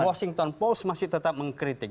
washington post masih tetap mengkritik